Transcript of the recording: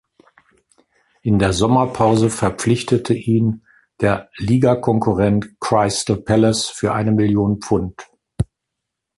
In der Sommerpause verpflichtete ihn der Ligakonkurrent Crystal Palace für eine Million Pfund.